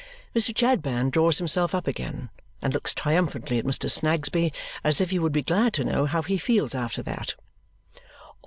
Mr. Chadband draws himself up again and looks triumphantly at Mr. Snagsby as if he would be glad to know how he feels after that.